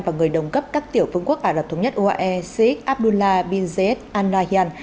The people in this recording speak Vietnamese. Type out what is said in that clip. và người đồng cấp các tiểu phương quốc ả rập thống nhất uae sheikh abdullah bin zayed al nahyan